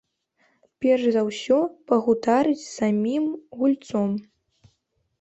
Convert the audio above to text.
Перш за ўсё пагутарыць з самім гульцом.